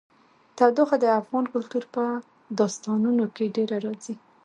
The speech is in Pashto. تودوخه د افغان کلتور په داستانونو کې ډېره راځي.